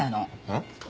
えっ？